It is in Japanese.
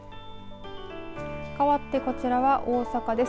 かわってこちらは大阪です。